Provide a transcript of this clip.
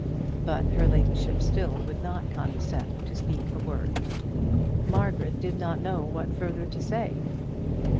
But her ladyship still would not condescend to speak a word. Margaret did not know what further to say.